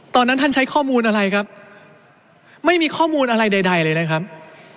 ตอนนั้นท่านใช้ข้อมูลอะไรครับไม่มีข้อมูลอะไรใดเลยนะครับ